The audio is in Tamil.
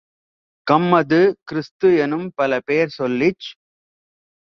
கம்மது, கிறிஸ்து-எனும் பலபேர் சொல்லிச்